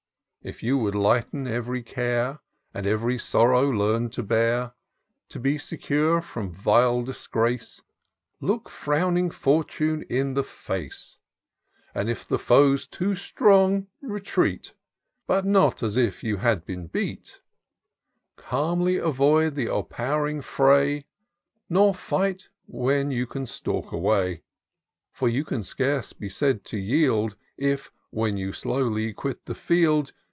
If you would lighten every care, And every sorrow learn to bear, IN SEARCH OF THE PICTURESQUE. 343 To be secure from vile disgrace, Look frowning Fortune in the face ; And, if the foe's too strong, retreat, But not as if you had been beat : Cahnly avoid th' o'erpow'ring fray, Nor fight when you can stalk away ; For you can scarce be said to yield. If, when you slowly quit the field.